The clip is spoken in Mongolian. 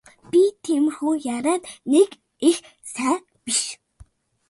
Би тиймэрхүү ярианд нэг их сайн биш.